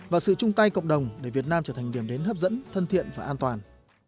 và sự chung tay cộng đồng để việt nam trở thành điểm đến hấp dẫn thân thiện và an toàn